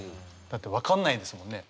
だって分かんないですもんね。